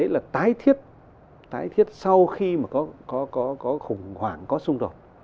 là tái thiết sau khi mà có khủng hoảng có xung đột